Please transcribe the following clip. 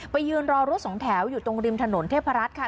ยืนรอรถสองแถวอยู่ตรงริมถนนเทพรัฐค่ะ